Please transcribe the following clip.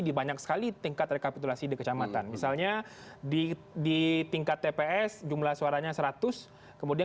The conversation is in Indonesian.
di banyak sekali tingkat rekapitulasi dikecamatan misalnya di tingkat tps jumlah suaranya seratus kemudian